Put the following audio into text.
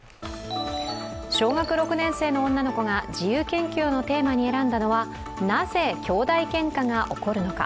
小学６年生の女の子が自由研究のテーマに選んだのはなぜ兄弟げんかが起こるのか。